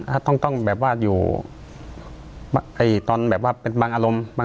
ก็ต้องแบบว่าอยู่ตอนแบบว่าเป็นบางอารมณ์บาง